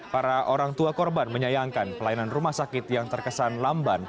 para orang tua korban menyayangkan pelayanan rumah sakit yang terkesan lamban